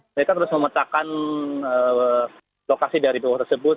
mereka terus memetakan lokasi dari bawah tersebut